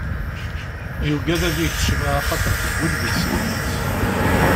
Yuggad ad d-ikcem axaṭer teggull deg-s yemma-s.